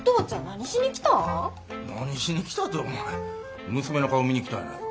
何しに来たてお前娘の顔見に来たんや。